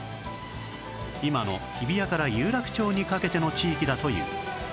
今の日比谷から有楽町にかけての地域だという